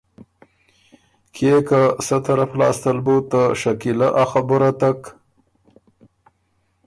کيې که سۀ طرف لاسته ال بُو ته شکیلۀ ا خبُره تک